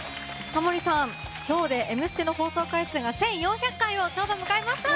タモリさん、今日で「Ｍステ」の放送回数が１４００回をちょうど迎えました！